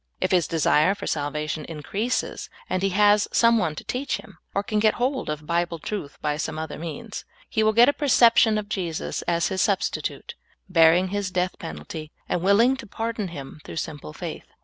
If his desire for salvation increases, and he has some one to teach him, or can get hold of Bible truth b}^ some other means, he will get a perception of Jesus as his substitute, bearing his death penalt)^, and willing to pardon him through simple faith.